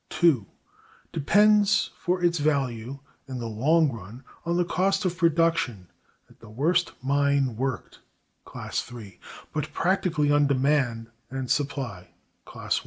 (2.) Depends for its value, in the long run, on the cost of production at the worst mine worked (Class III); but practically on demand and supply (Class I).